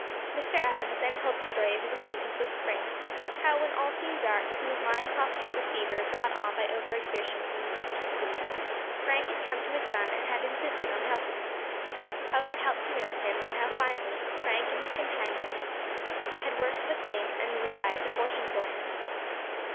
Mr. Adams then told the story of his acquaintance with Frank; how, when all seemed dark, when he was lying prostrate with fever brought on by overexertion and insufficient food, Frank had come to his son and had insisted on helping him; how he had helped to nurse him, and how, finally, Frank and his companions had worked the claim and realised a fortune for him.